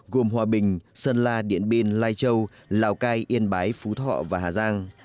gồm hòa bình sơn la điện biên lai châu lào cai yên bái phú thọ và hà giang